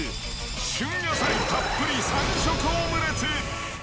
旬野菜たっぷり３色オムレツ。